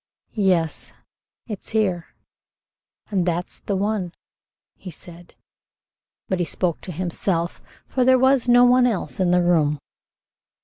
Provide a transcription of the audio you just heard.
"Yes, it's here, and that's the one," he said, but he spoke to himself, for there was no one else in the room.